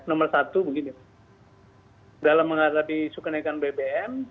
nomor satu begini dalam menghadapi isu kenaikan bbm